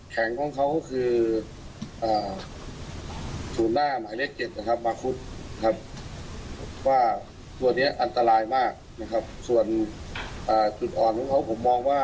แข่งของเขาก็คือสุดหน้าหมายเลข๐๗บาร์ฟุตเป็นส่วนอันตรายมากนะครับ